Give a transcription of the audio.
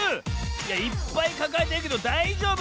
いやいっぱいかかえてるけどだいじょうぶ？